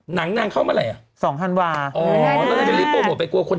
หนังเข้ามาไหน